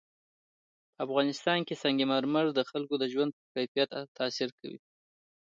په افغانستان کې سنگ مرمر د خلکو د ژوند په کیفیت تاثیر کوي.